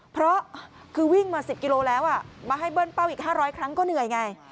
เพราะคือวิ่งมา๑๐กิโลแล้วมาให้เบิ้ลเป้าอีก๕๐๐ครั้งก็เหนื่อยไง